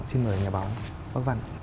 xin mời nhà báo bác văn